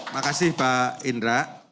makasih pak indra